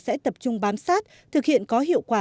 sẽ tập trung bám sát thực hiện có hiệu quả